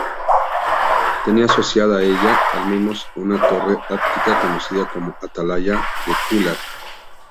Tenía asociada a ella, al menos, una torre óptica, conocida como Atalaya de Cúllar.